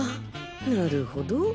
なるほど。